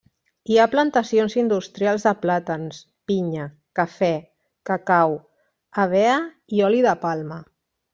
Hi ha plantacions industrials de plàtans, pinya, cafè, cacau, hevea i oli de palma.